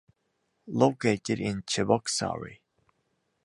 Located in Cheboksary.